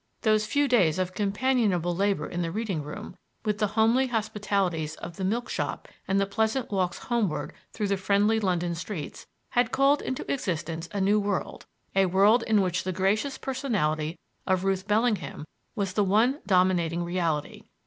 Those few days of companionable labor in the reading room, with the homely hospitalities of the milk shop and the pleasant walks homeward through the friendly London streets, had called into existence a new world a world in which the gracious personality of Ruth Bellingham was the one dominating reality.